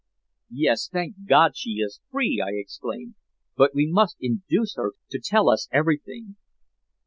"Yes. Thank God she is free!" I exclaimed. "But we must induce her to tell us everything."